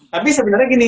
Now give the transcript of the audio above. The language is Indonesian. tapi sebenernya gini